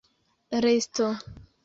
resto